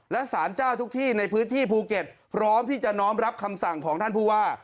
และสารเจ้าทุกที่ในพื้นที่ภูเก็ตพร้อมที่จะน้อมรับคำสั่งของท่านผู้ว่า